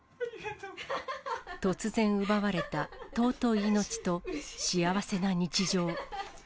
突然奪われた、尊い命と幸せな日常。